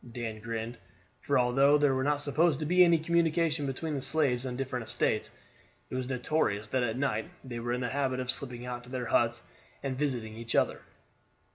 Dan grinned, for although there was not supposed to be any communication between the slaves on the different estates, it was notorious that at night they were in the habit of slipping out of their huts and visiting each other.